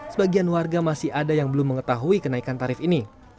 sebagian warga masih ada yang belum mengetahui kenaikan tarif ini